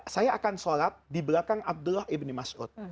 saya akan sholat di belakang abdullah ibn mas'ud